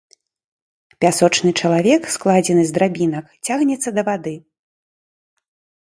Пясочны чалавек, складзены з драбінак, цягнецца да вады.